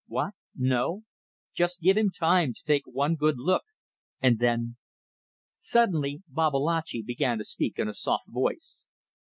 What? No! Just give him time to take one good look, and then ... Suddenly Babalatchi began to speak in a soft voice.